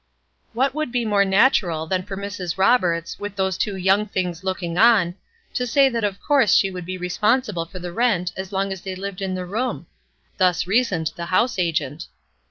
What would be more natural than for Mrs. Roberts, with those two young things looking on, to say that of course she would be responsible for the rent as long as they lived in the room? Thus reasoned the house agent.